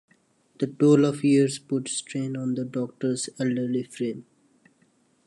The toll of years put strain on the Doctor's elderly frame.